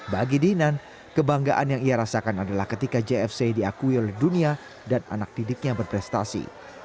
bagi dinan kebanggaan yang ia rasakan adalah ketika jfc diakui oleh dunia dan anak didiknya berprestasi